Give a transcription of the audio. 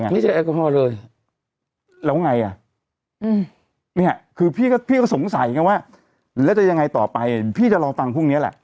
ไม่ใช่แอลกอฮอล์เลยแล้วไงอ่ะเนี่ยคือพี่ก็สงสัยไงว่าแล้วจะยังไงต่อไปพี่จะรอฟังพรุ่งนี้แหละ